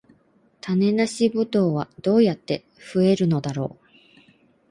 種なしブドウはどうやって増えるのだろう